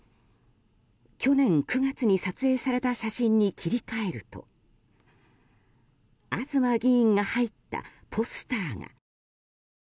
去年９月に撮影された写真に切り替えると東議員が入ったポスターが。